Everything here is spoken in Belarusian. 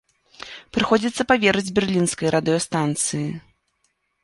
Прыходзіцца паверыць берлінскай радыёстанцыі.